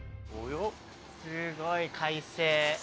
すごい快晴。